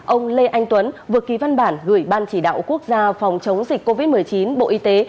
ông lê anh tuấn vừa ký văn bản gửi ban chỉ đạo quốc gia phòng chống dịch covid một mươi chín bộ y tế